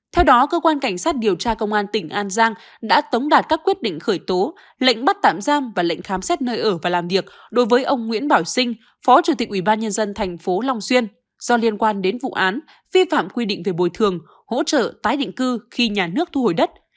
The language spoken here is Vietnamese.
theo đó cơ quan cảnh sát điều tra công an tỉnh an giang đã tống đạt các quyết định khởi tố lệnh bắt tạm giam và lệnh khám xét nơi ở và làm việc đối với ông nguyễn bảo sinh phó chủ tịch ubnd tp long xuyên do liên quan đến vụ án vi phạm quy định về bồi thường hỗ trợ tái định cư khi nhà nước thu hồi đất